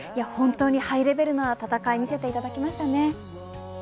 本当にハイレベルな戦い見せていただきました。